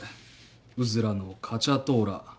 うずらのカチャトーラ。